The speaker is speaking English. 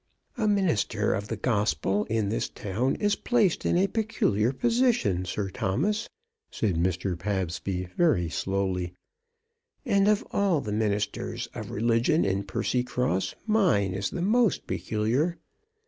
"A minister of the Gospel in this town is placed in a peculiar position, Sir Thomas," said Mr. Pabsby very slowly, "and of all the ministers of religion in Percycross mine is the most peculiar.